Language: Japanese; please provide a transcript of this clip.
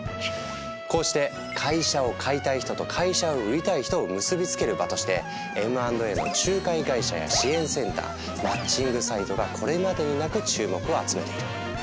こうして「会社を買いたい人」と「会社を売りたい人」を結び付ける場としてＭ＆Ａの仲介会社や支援センターマッチングサイトがこれまでになく注目を集めている。